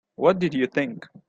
What did you think?